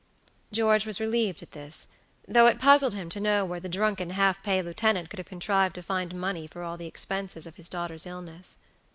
George was relieved at this, though it puzzled him to know where the drunken half pay lieutenant could have contrived to find money for all the expenses of his daughter's illness.